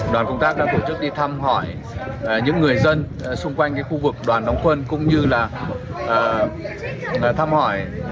đoàn công tác đã tổ chức đi thăm hỏi những người dân xung quanh khu vực đoàn đóng quân cũng như là thăm hỏi